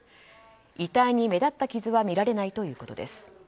遺体に目立った傷は見られないということです。